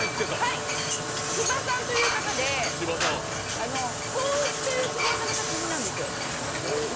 しばさんという方で、双打というすご技の達人なんですよ。